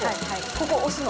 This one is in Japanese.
ここ押すの？